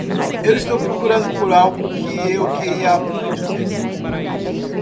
Eu estou procurando por algo que eu queria há muito tempo.